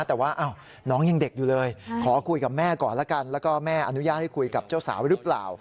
แต่ว่าน้องยังเด็กอยู่เลยขอคุยกับแม่ก่อนแล้วกันแล้วก็แม่อนุญาตให้คุยกับเจ้าสาวหรือเปล่า